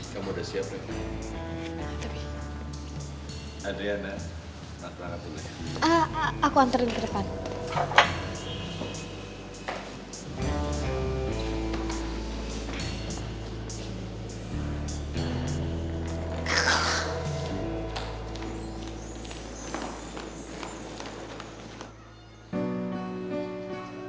kamu udah siap ya